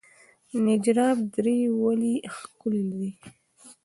نجراب درې ولې ښکلې دي؟